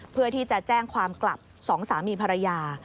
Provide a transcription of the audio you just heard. เพื่อที่จะแจ้งความกลับสองสามีภรรยา